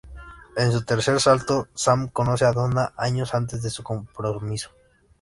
En su tercer salto Sam conoce a Donna años antes de su compromiso.